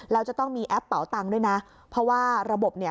แล้วจะต้องมีแอปเป่าตังค์ด้วยนะเพราะว่าระบบเนี่ย